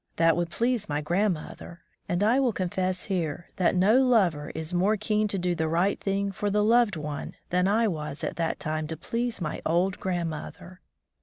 That would please my grandmother; and I will confess here that no lover is more keen to do the right thing for the loved one than I was at that time to please my old grandmother.